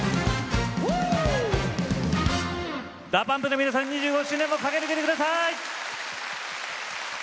ＤＡＰＵＭＰの皆さん２５周年も駆け抜けてください。